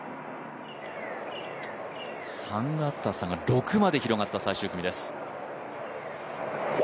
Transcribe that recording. ３あった差が６まで広がった最終組です。